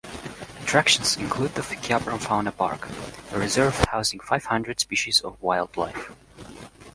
Attractions include the Kyabram Fauna Park, a reserve housing five hundred species of wildlife.